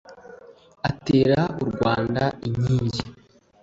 Atera u Rwanda inkingi